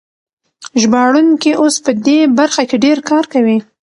ژباړونکي اوس په دې برخه کې ډېر کار کوي.